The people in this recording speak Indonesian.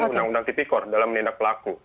untuk mengundang tipikor dalam menindak pelaku